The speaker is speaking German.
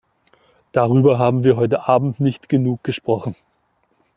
Darüber haben wir heute Abend nicht genug gesprochen.